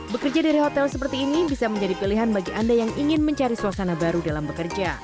bekerja dari hotel seperti ini bisa menjadi pilihan bagi anda yang ingin mencari suasana baru dalam bekerja